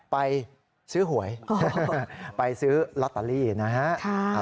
ไปซื้อหวยไปซื้อลอตเตอรี่นะฮะ